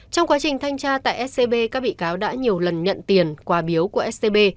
trong quá trình thanh tra tại scb các bị cáo đã nhiều lần nhận tiền quà biếu của scb